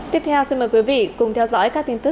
tiếp theo xin mời quý vị cùng theo dõi các tin tức